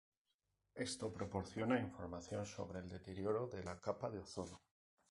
Esto proporciona información sobre el deterioro de la capa de ozono.